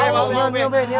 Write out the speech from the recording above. mau pak de